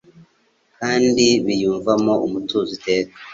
kandi biyumvamo umutuzo iteka